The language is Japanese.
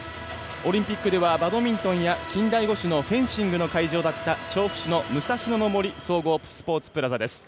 オリンピックではバドミントンや近代五種のフェンシングの会場だった調布市の武蔵野の森総合スポーツプラザ。